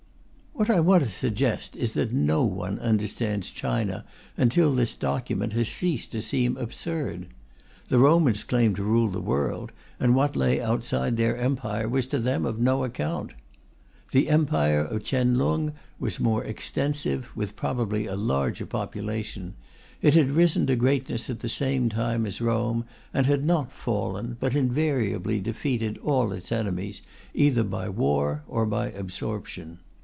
What I want to suggest is that no one understands China until this document has ceased to seem absurd. The Romans claimed to rule the world, and what lay outside their Empire was to them of no account. The Empire of Chien Lung was more extensive, with probably a larger population; it had risen to greatness at the same time as Rome, and had not fallen, but invariably defeated all its enemies, either by war or by absorption.